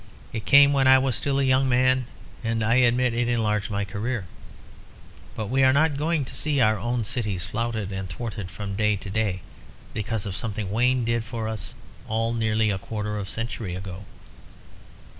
It came when I was still a young man, and I admit it enlarged my career. But we are not going to see our own cities flouted and thwarted from day to day because of something Wayne did for us all nearly a quarter of a century ago.